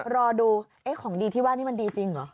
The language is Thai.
รอดูของดีที่ว่านี่มันดีจริงเหรอ